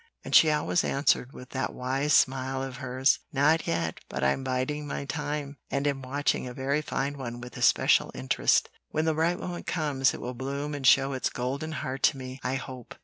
and she always answered with that wise smile of hers, "Not yet, but I'm biding my time, and am watching a very fine one with especial interest. When the right moment comes, it will bloom and show its golden heart to me, I hope."